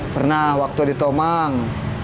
pernah waktu ditomang